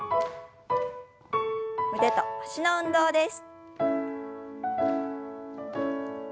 腕と脚の運動です。